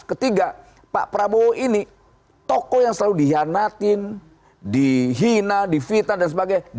ketiga pak prabowo ini tokoh yang selalu dihianatin dihina divitan dan sebagainya